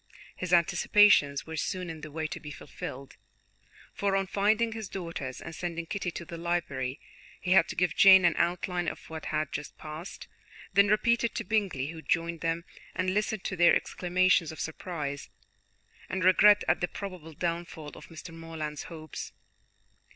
His anticipations were soon in the way to be fulfilled, for on finding his daughters, and sending Kitty to the library, he had to give Jane an outline of what had just passed, then repeat it to Bingley, who joined them, and listened to their exclamations of surprise, and regret at the probable downfall of Mr. Morland's hopes.